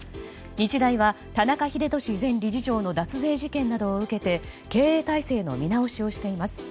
日大は田中英寿前理事長の脱税事件などを受けて経営体制の見直しをしています。